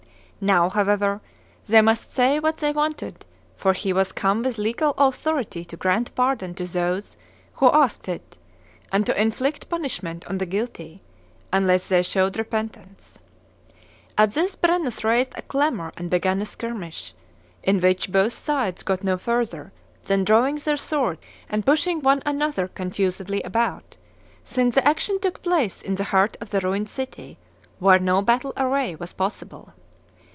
Now, however, they must say what they wanted, for he was come with legal authority to grant pardon to those who asked it, and to inflict punishment on the guilty, unless they showed repentance. At'this, Brennus raised a clamour and began a skirmish, in which both sides got no further than drawing their swords and pushing one another confusedly about, since the action took place in the heart of the ruined city, where no battle array was possible.